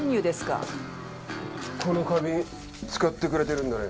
この花瓶使ってくれてるんだね。